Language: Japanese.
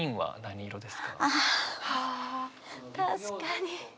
あ確かに。